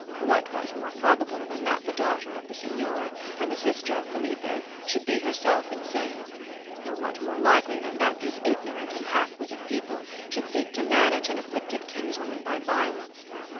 What was more probable than that the daughter of the Senora, and the sister of Felipe, should be herself insane? Or, what more likely than that these ignorant and half witted people should seek to manage an afflicted kinswoman by violence?